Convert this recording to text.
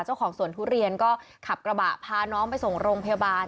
เจ้าของสวนทุเรียนก็ขับกระบะพาน้องไปส่งโรงพยาบาล